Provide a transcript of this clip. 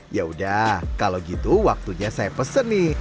ya udah kalau gitu waktunya saya pesen nih